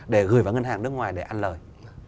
để gửi vào ngân hàng nước ngoài để ăn lời